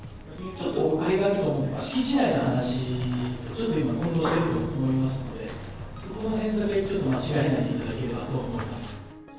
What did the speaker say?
誤解があると思うんですが、敷地内の話と、ちょっと混同してると思いますので、そこのへんだけ間違えないでいただければと思います。